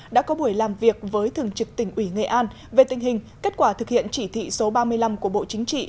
đã có buổi làm việc với thường trực tỉnh ủy nghệ an về tình hình kết quả thực hiện chỉ thị số ba mươi năm của bộ chính trị